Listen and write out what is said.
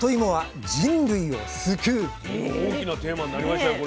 大きなテーマになりましたよ